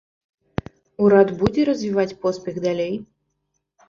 Урад будзе развіваць поспех далей?